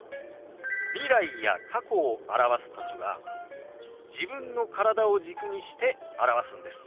未来や過去を表す時は自分の体を軸にして表すんです。